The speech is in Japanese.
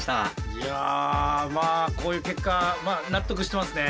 いやこういう結果納得してますね。